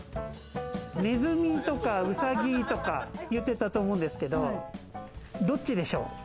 ネズミとかウサギとか言ってたと思うんですけど、どっちでしょう？